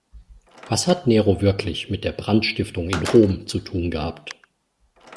Was hat Nero wirklich mit der Brandstiftung in Rom zu tun gehabt?